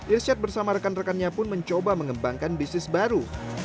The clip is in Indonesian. irsyad bersama rekan rekannya pun mencoba mengembangkan bisnis baru